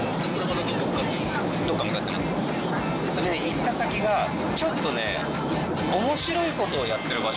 行った先がちょっとね。